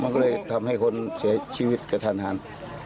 มันก็เลยทำให้คนเสียชีวิตกระทันหัน